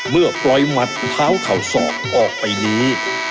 เมื่อปล่อยหมัดเท้าเข่าศอกออกไปนี้